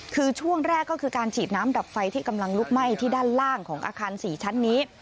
คือช่วงแรกก็คือการฉีดน้ำดับไฟที่กำลังลุกไหม้ที่ด้านล่างของอาคาร๔ชั้นนี้